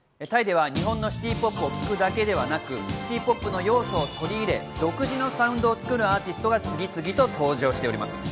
タイでは日本のシティポップを聞くだけではなく、シティポップの要素を取り入れ、独自のサウンドを作るアーティストが次々と登場しています。